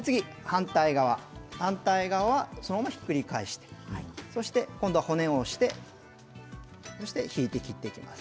反対側はそのままひっくり返して今度は骨を押して引いて切っていきます。